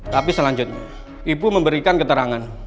tapi selanjutnya ibu memberikan keterangan